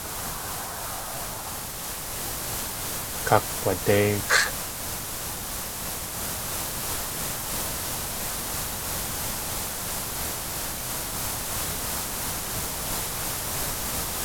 Kakg̲wadéixʼ.